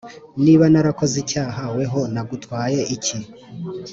niba narakoze icyaha weho nagutwaye iki